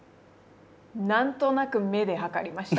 何となく目で測りました。